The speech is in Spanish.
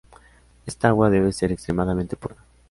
Esta agua debe ser extremadamente pura.